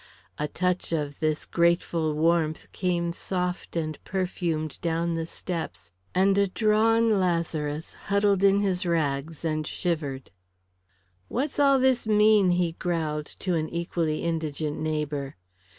A touch of this grateful warmth came soft and perfumed down the steps, and a drawn Lazarus huddled in his rags and shivered. "What's all this mean?" he growled to an equally indigent neighbour.